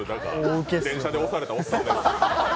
電車で押されたおっさんです。